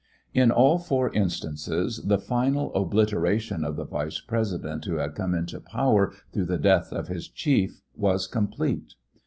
In all four instances the final obliteration of the Vice President who had come into power through the death of his chief was complete.